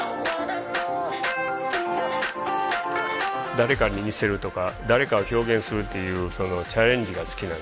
誰かに似せるとか誰かを表現するっていうそのチャレンジが好きなんで。